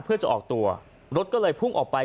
เพื่อจะออกตัวรถก็เลยพุ่งออกไป